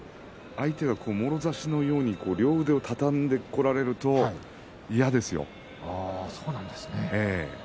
相手はもろ差しのように両手を畳んでこられると嫌ですよ。